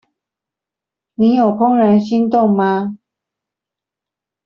你有怦然心動嗎？